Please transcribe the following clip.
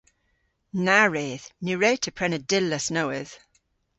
Na wredh. Ny wre'ta prena dillas nowydh.